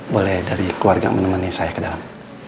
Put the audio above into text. boleh dari keluarga menemani saya ke dalam